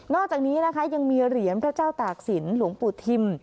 อกจากนี้นะคะยังมีเหรียญพระเจ้าตากศิลปหลวงปู่ทิม